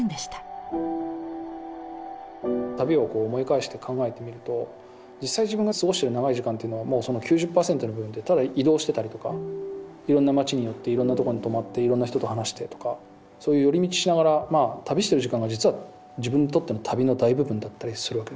旅を思い返して考えてみると実際自分が過ごしてる長い時間というのはその９０％の部分ってただ移動してたりとかいろんな街に寄っていろんなとこに泊まっていろんな人と話してとかそういう寄り道しながら旅してる時間が実は自分にとっての旅の大部分だったりするわけですよ。